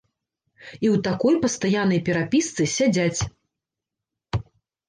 І ў такой пастаяннай перапісцы сядзяць.